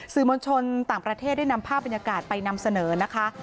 มวลชนต่างประเทศได้นำภาพบรรยากาศไปนำเสนอนะคะ